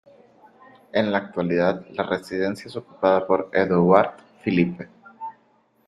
En la actualidad la residencia es ocupada por Édouard Philippe.